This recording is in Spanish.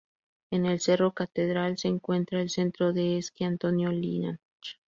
En el Cerro Catedral se encuentra el Centro de Esquí Antonio Lynch.